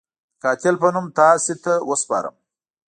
د قاتل په نوم تاسو ته وسپارم.